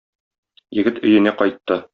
Егет өенә кайтты.